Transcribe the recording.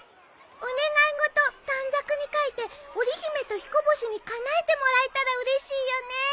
お願い事短冊に書いて織り姫とひこ星にかなえてもらえたらうれしいよね。